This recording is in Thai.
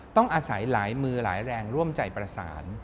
ต้องอาศัยหลายมือหลายแรงร่วมใจประสาน